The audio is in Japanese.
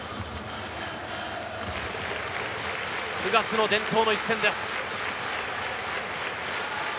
９月の伝統の一戦です。